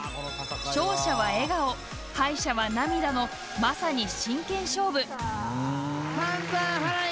勝者は笑顔敗者は涙の、まさに真剣勝負。